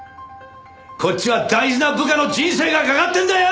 こっちは大事な部下の人生がかかってるんだよ！